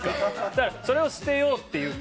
だからそれを捨てようっていうか。